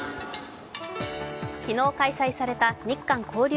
昨日開催された日韓交流